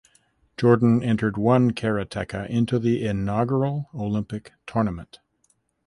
Jordan entered one karateka into the inaugural Olympic tournament.